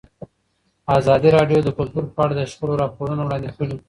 ازادي راډیو د کلتور په اړه د شخړو راپورونه وړاندې کړي.